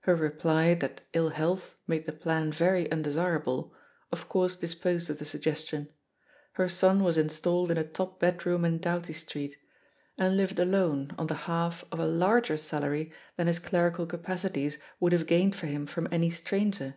Her reply that ill health made the plan very undesirable, of course disposed of the suggestion. Her son was in stalled in a top bedroom in Doughty Street, and lived alone on the half of a larger salary than his clerical capacities would have gained for him from any stranger.